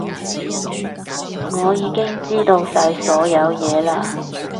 我已經知道晒所有嘢嘞